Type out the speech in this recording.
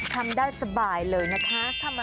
ทำได้สบายเลยนะคะ